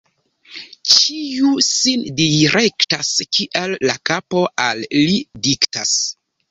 Ĉiu sin direktas, kiel la kapo al li diktas.